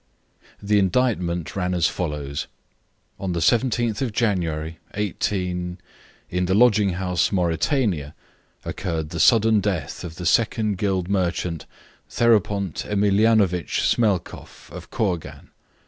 The indictment ran as follows: On the 17th of January, 18 , in the lodging house Mauritania, occurred the sudden death of the Second Guild merchant, Therapont Emilianovich Smelkoff, of Kourgan.